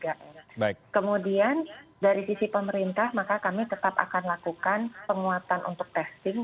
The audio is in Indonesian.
dan kemudian dari sisi pemerintah maka kami tetap akan lakukan penguatan untuk testing